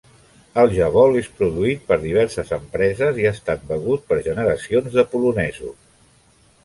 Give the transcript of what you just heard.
El jabol és produït per diverses empreses i ha estat begut per generacions de polonesos.